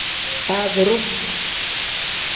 Faaziru.